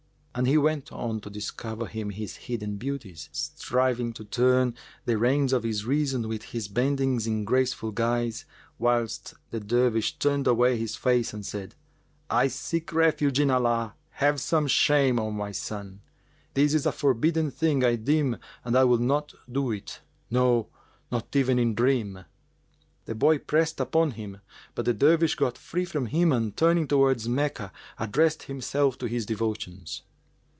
And he went on to discover to him his hidden beauties, striving to turn the reins of his reason with his bendings in graceful guise, whilst the Dervish turned away his face and said, "I seek refuge with Allah! Have some shame, O my son![FN#391] This is a forbidden thing I deem and I will not do it, no, not even in dream." The boy pressed upon him, but the Dervish got free from him and turning towards Meccah addressed himself to his devotions.